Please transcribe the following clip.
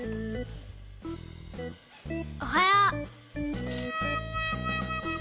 おはよう。